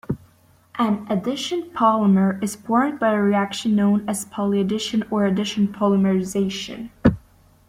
An addition polymer is formed by a reaction known as polyaddition or addition polymerization.